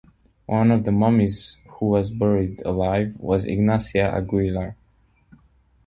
One of the mummies who was buried alive was Ignacia Aguilar.